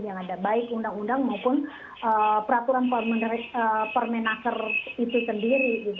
yang ada baik undang undang maupun peraturan permenaker itu sendiri